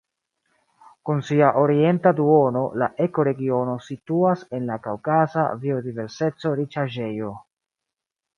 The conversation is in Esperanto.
Kun sia orienta duono la ekoregiono situas en la kaŭkaza biodiverseco-riĉaĵejo.